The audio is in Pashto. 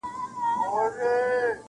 د ګرداب خولې ته کښتۍ سوه برابره-